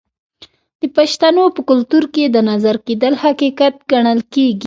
د پښتنو په کلتور کې د نظر کیدل حقیقت ګڼل کیږي.